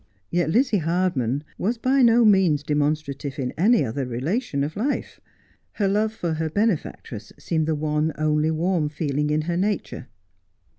Yet Lizzie Hardman was by no means demonstrative in any other relation of life. Her love for her benefactress seemed the one only warm feeling in her nature.